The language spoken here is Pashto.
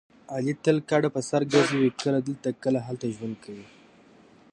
علي تل کډه په سر ګرځوي کله دلته کله هلته ژوند کوي.